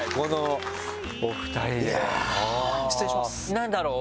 何だろう？